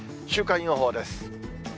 週間予報です。